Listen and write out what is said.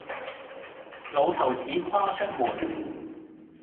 老頭子跨出門，